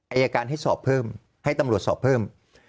อายการให้สอบเพิ่มให้ตำรวจสอบเพิ่ม